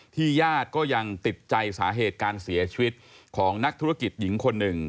ญาติก็ยังติดใจสาเหตุการเสียชีวิตของนักธุรกิจหญิงคนหนึ่ง